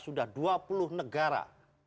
sudah dua puluh negara